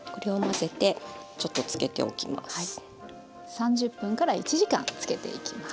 ３０分１時間漬けていきます。